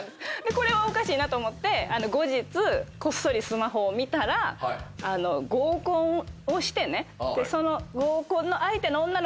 これはおかしいなと思って後日こっそりスマホを見たら合コンをしてねその。